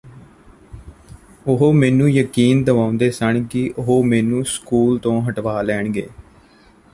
ਉਹ ਮੈਨੂੰ ਯਕੀਨ ਦਿਵਾਉਂਦੇ ਸਨ ਕਿ ਉਹ ਮੈਨੂੰ ਸਕੂਲ ਤੋਂ ਹਟਾ ਲੈਣਗੇ